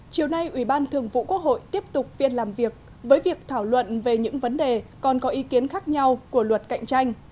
chiều nay ủy ban thường vụ quốc hội tiếp tục phiên làm việc với việc thảo luận về những vấn đề còn có ý kiến khác nhau của luật cạnh tranh